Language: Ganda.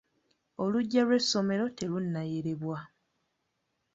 Olujja lw'essommero te lunnayerebwa.